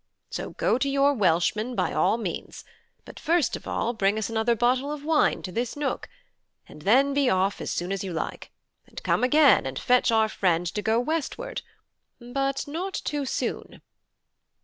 So go to your Welshmen, by all means; but first of all bring us another bottle of wine to this nook, and then be off as soon as you like; and come again and fetch our friend to go westward, but not too soon."